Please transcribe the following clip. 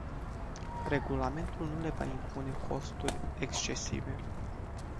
Regulamentul nu le va impune costuri excesive.